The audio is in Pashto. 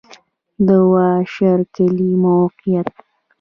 د واشر کلی موقعیت